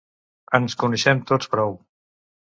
Ens coneixem tots prou.